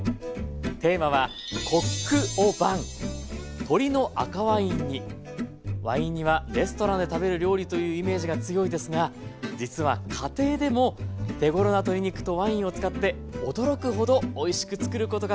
テーマはワイン煮はレストランで食べる料理というイメージが強いですが実は家庭でも手ごろな鶏肉とワインを使って驚くほどおいしくつくることができるんです。